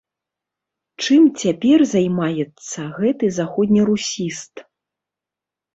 Чым цяпер займаецца гэты заходнерусіст?